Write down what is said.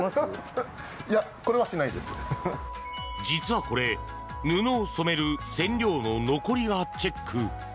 実はこれ、布を染める染料の残り香チェック。